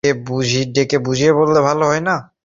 আমি বলবার আগে তুমি তাকে একবার ডেকে বুঝিয়ে বললে ভালো হয় না?